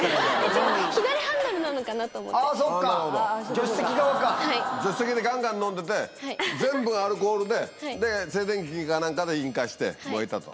助手席でガンガン飲んでて全部アルコールで静電気か何かで引火して燃えたと。